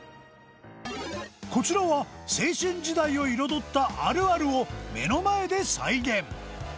こちらは青春時代を彩ったあるあるを目の前で再現